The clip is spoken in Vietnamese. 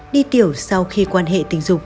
đi tiểu sau khi quan hệ tình dục